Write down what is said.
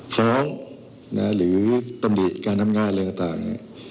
ฟ้องหรือตำแหน่งการทำงานอะไรต่าง